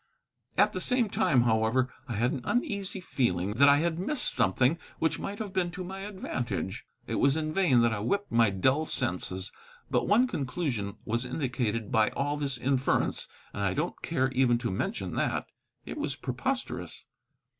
At the same time, however, I had an uneasy feeling that I had missed something which might have been to my advantage. It was in vain that I whipped my dull senses; but one conclusion was indicated by all this inference, and I don't care even to mention that: it was preposterous.